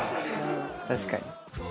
確かに。